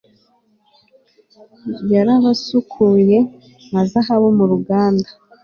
yarabasukuye nka zahabu mu ruganda